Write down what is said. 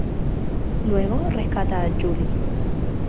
Luego rescata a Julie.